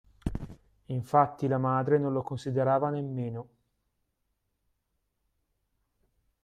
Infatti la madre non lo considerava nemmeno